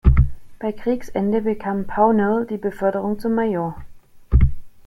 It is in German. Bei Kriegsende bekam Pownall die Beförderung zum Major.